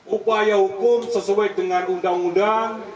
upaya hukum sesuai dengan undang undang